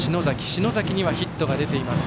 篠崎にはヒットが出ています。